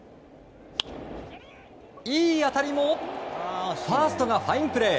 いい当たりもファーストがファインプレー。